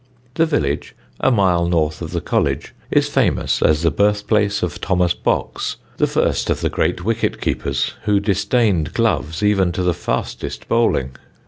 The village, a mile north of the college, is famous as the birthplace of Thomas Box, the first of the great wicket keepers, who disdained gloves even to the fastest bowling.